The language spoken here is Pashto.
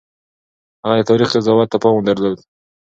هغه د تاريخ قضاوت ته پام درلود.